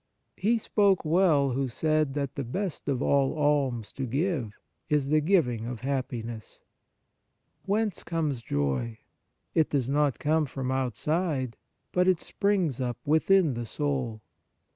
He spoke well who said that the best of all alms to give is the giving of happiness. Whence comes joy ? It does not come from outside, but it springs up within the soul.